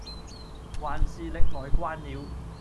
還是歷來慣了，